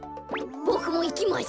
ボクもいきます。